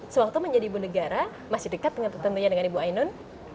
sewaktu menjadi ibu negara masih dekat tentunya dengan ibu ainun